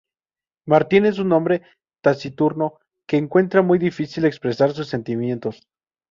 Martin es un hombre taciturno que encuentra muy difícil expresar sus sentimientos.